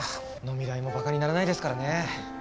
飲み代もばかにならないですからね。